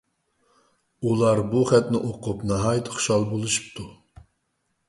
ئۇلار بۇ خەتنى ئوقۇپ ناھايىتى خۇشال بولۇشۇپتۇ.